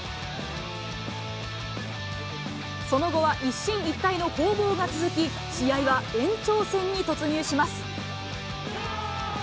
その後は一進一退の攻防が続き、試合は延長戦に突入します。